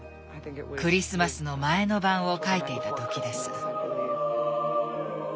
「クリスマスのまえのばん」を描いていた時です。